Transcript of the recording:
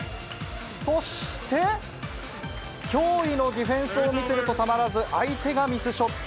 そして、驚異のディフェンスを見せると、たまらず相手がミスショット。